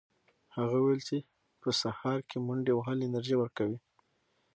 هغه وویل چې په سهار کې منډې وهل انرژي ورکوي.